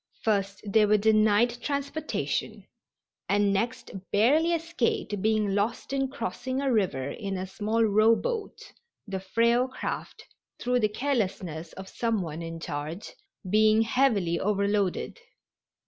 First they were denied transportation, and next barely escaped being lost in crossing a river in a small rowboat, the frail craft, through the carelessness of some one in charge, being heavily overloaded.